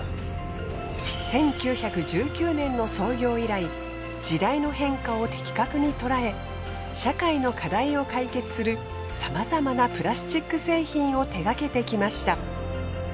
１９１９年の創業以来時代の変化を的確にとらえ社会の課題を解決するさまざまなプラスチック製品を手がけてきました。